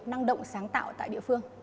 năng động sáng tạo tại địa phương